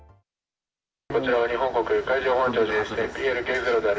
こちらは日本国海上保安庁巡視船ＰＬ９０である。